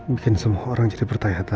bikin semua orang jadi bertayah tayah